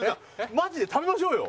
マジで食べましょうよ！